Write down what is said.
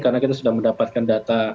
karena kita sudah mendapatkan data